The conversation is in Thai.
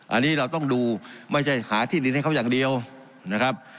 อันนี้เราต้องดูไม่ใช่หาที่ดินให้เขาอย่างเดียวนะครับ